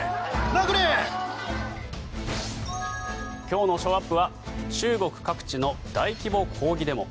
今日のショーアップは中国各地の大規模抗議デモ。